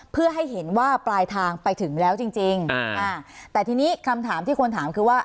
เพื่อให้เห็นว่าปลายทางไปถึงแล้วจริงจริงอ่าแต่ทีนี้คำถามที่คนถามคือว่า